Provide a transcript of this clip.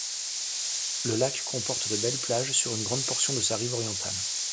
Ce lac comporte de belles plages sur une grande portion de sa rive orientale.